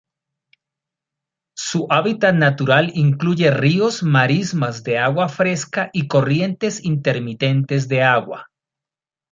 Su hábitat natural incluye ríos, marismas de agua fresca y corrientes intermitentes de agua.